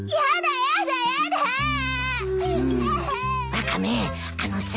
ワカメあのさ。